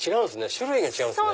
種類が違うんですね。